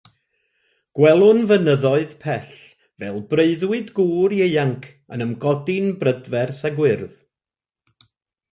Gwelwn fynyddoedd pell, fel breuddwyd gŵr ieuanc, yn ymgodi'n brydferth a gwyrdd.